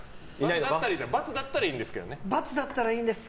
×だったらいいんですけどね。